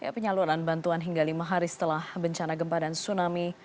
penyaluran bantuan hingga lima hari setelah bencana gempa dan tsunami